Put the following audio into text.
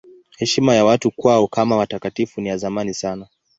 Heshima ya watu kwao kama watakatifu ni ya zamani sana.